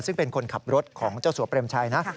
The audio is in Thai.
ซึ่งเป็นคนขับรถของเจ้าสัวเปรมชัยนะ